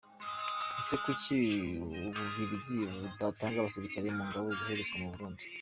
Ese Kuki u Bubiligi butatanga abasirikare mu ngabo zakoherezwa mu Burundi?.